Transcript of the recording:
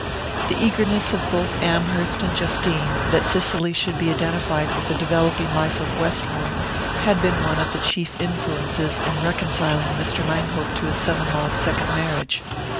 The eagerness of both Amherst and Justine that Cicely should be identified with the developing life of Westmore had been one of the chief influences in reconciling Mr. Langhope to his son in law's second marriage.